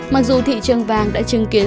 mặc dù thị trường vàng đã chứng kiến